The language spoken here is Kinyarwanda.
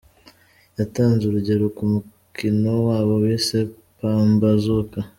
Yatanze urugero ku mukino wabo bise ‘Pambazuka’.